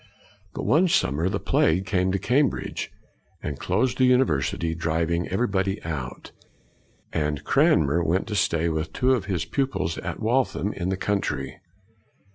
But, one summer, the plague came to Cambridge, and closed the university, driving everybody out; and Cranmer went to stay with two of his pupils at Waltham, in the country.